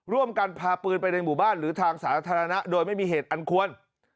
ร่วมกันพาปืนไปในหมู่บ้านหรือทางสาธารณะโดยไม่มีเหตุอันควร